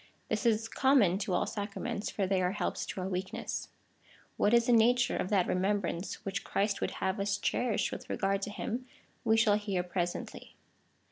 This is common to all sacraments, for they are helps to our weakness. What is the nature of that remembrance which Christ would have us cherish with regard to him, we shall hear presently.